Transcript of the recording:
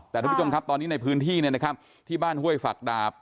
แต่ทุกผู้ชมครับตอนนี้ในพื้นที่ที่บ้านห้วยฝักดาบ